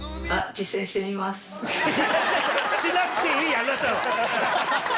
しなくていいあなたは。